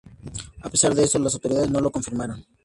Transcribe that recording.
A pesar de eso, las autoridades no lo confirmaron.